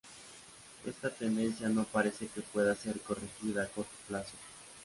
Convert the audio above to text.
Esta tendencia no parece que pueda ser corregida a corto plazo.